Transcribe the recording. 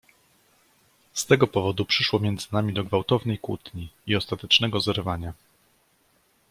"Z tego powodu przyszło między nami do gwałtownej kłótni i ostatecznego zerwania."